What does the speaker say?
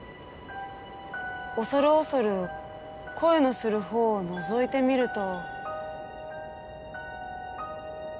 恐る恐る声のする方をのぞいてみると。